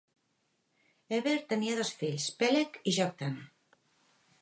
Eber tenia dos fills: Peleg i Joktan.